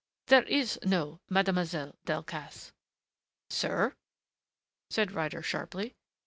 "There is no Mademoiselle Delcassé." "Sir?" said Ryder sharply.